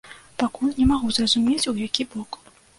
Пакуль не магу зразумець, у які бок.